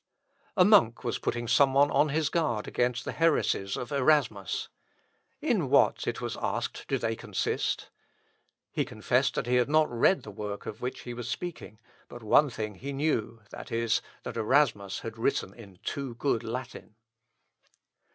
A monk was putting some one on his guard against the heresies of Erasmus. "In what," it was asked, "do they consist?" He confessed that he had not read the work of which he was speaking, but one thing he knew, viz., that Erasmus had written in too good Latin.